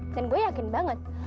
dan gue yakin banget